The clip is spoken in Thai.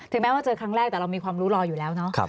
แม้ว่าเจอครั้งแรกแต่เรามีความรู้รออยู่แล้วเนาะ